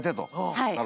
はい。